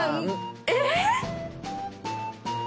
えっ⁉